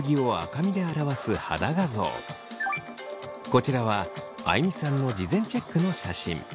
こちらはあいみさんの事前チェックの写真。